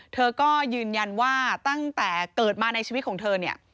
เธอก็ยืนยันว่าตั้งแต่เกิดมาในชีวิตของเธอเนี่ย